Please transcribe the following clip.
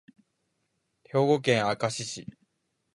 兵庫県明石市